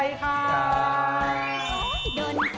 สวัสดีค่ะ